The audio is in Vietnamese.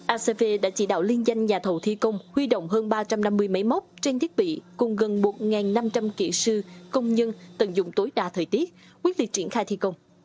acv đã chỉ đạo liên danh nhà thầu thi công huy động hơn ba trăm năm mươi máy móc trang thiết bị cùng gần một năm trăm linh kỹ sư công nhân tận dụng tối đa thời tiết quyết liệt triển khai thi công